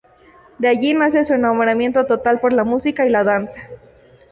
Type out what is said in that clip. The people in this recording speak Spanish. De allí nace su enamoramiento total por la música y la danza.